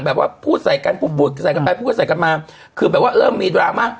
พูดใส่กันพูดพูดใส่กันไปพูดก็ใส่กันมาคือแบบว่าเริ่มมีดราม่า